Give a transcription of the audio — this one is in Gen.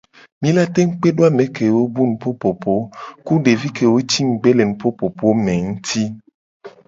Mi la tengu kpe do ame kewo bu nupopopo a nguti ku devi kewo ci ngugbe le nupopopo me a.